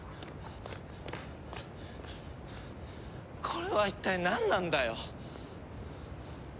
これは一体なんなんだよ？